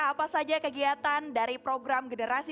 apa saja kegiatan dari program generasi